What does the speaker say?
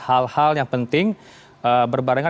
hal hal yang penting berbarengan